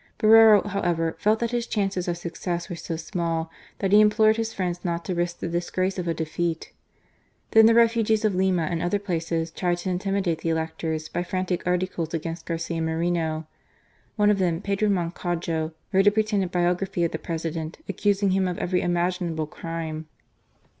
Borrero, however, felt that his chances of success were so small that he implored his friends not to risk the disgrace of a defeat. Then the refugees of Lima and other places tried to intimidate the electors by frantic articles against Garcia Moreno. One of them, Pedro Mon cajo, wrote a pretended biography of the President, accusing him of every imaginable crime.